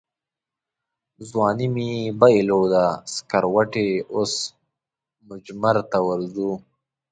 ځواني مې بایلوده سکروټې اوس مجمرته ورځو